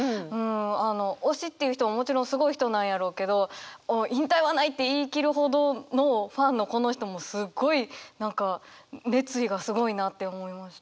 推しっていう人ももちろんすごい人なんやろうけど「引退はない」って言い切るほどのファンのこの人もすごい何か熱意がすごいなって思いました。